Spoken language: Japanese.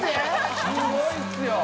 すごいですよ！